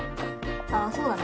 あそうだね